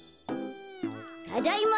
ただいま。